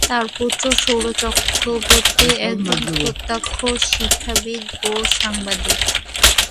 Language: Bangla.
তাঁর পুত্র সৌর চক্রবর্তী একজন প্রখ্যাত শিক্ষাবিদ ও সাংবাদিক।